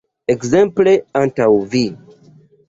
Ekzemple ankaŭ vi.